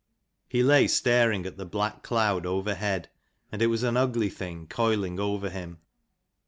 He lay staring at .the black cloud overhead, and it was an ugly thing coiling over him.